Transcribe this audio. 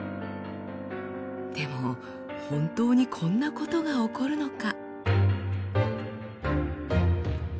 でも本当にこんなことが起こるのか？